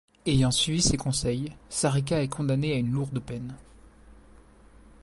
Ayant suivi ces conseils, Sarika est condamnée à une lourde peine.